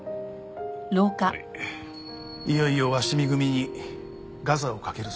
いよいよ鷲見組にガサをかけるそうだね。